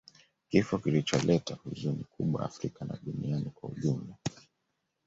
kifo kilicholeta huzuni kubwa Afrika na duniani kwa ujumla